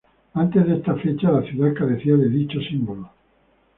Antes de esta fecha la ciudad carecía de dicho símbolo.